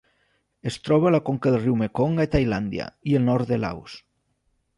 Es troba a la conca del riu Mekong a Tailàndia i el nord de Laos.